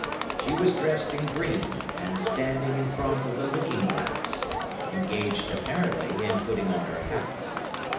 She was dressed in green, and standing in front of the looking glass, engaged apparently in putting on her hat.